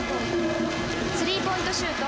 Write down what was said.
スリーポイントシュート。